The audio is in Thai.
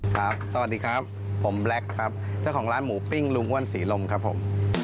สวัสดีครับผมแล็คครับเจ้าของร้านหมูปิ้งลุงอ้วนศรีลมครับผม